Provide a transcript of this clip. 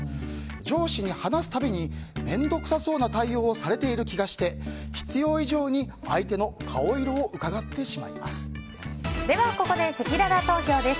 上司に話すたびに面倒くさそうな対応をされている気がして必要以上に相手の顔色をここでせきらら投票です。